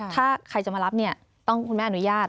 ถ้าใครจะมารับเนี่ยต้องคุณแม่อนุญาต